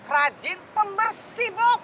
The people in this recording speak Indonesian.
rajin pembersih bu